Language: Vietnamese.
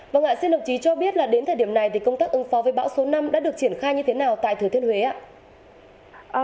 vâng ạ xin đồng chí cho biết là đến thời điểm này thì công tác ứng phó với bão số năm đã được triển khai như thế nào tại thừa thiên huế ạ